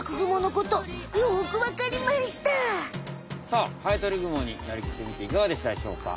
さあハエトリグモになりきってみていかがでしたでしょうか？